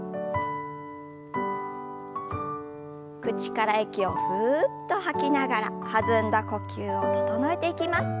口から息をふっと吐きながら弾んだ呼吸を整えていきます。